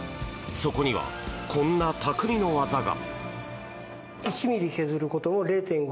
そこには、こんなたくみの技が！